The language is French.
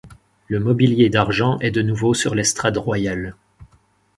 Le mobilier d’argent est de nouveau sur l’estrade royale.